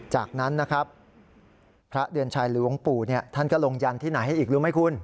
จากนั้นนะครับพระเดือนชัยหรือหลวงปู่ท่านก็ลงยันที่ไหนให้อีกรู้ไหมคุณ